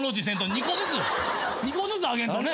２個ずつあげんとね。